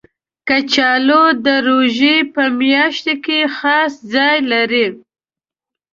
کچالو د روژې په میاشت کې خاص ځای لري